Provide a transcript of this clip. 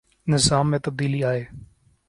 نظام میں تبدیلی آئے۔